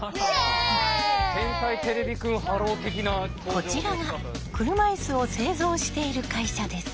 こちらが車いすを製造している会社です。